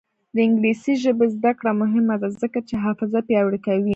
د انګلیسي ژبې زده کړه مهمه ده ځکه چې حافظه پیاوړې کوي.